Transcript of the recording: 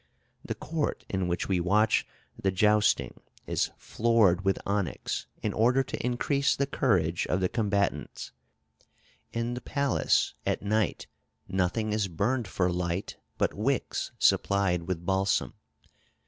The court in which we watch the jousting is floored with onyx in order to increase the courage of the combatants. In the palace, at night, nothing is burned for light but wicks supplied with balsam....